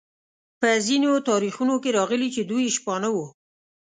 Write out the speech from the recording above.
په ځینو تاریخونو کې راغلي چې دوی شپانه وو.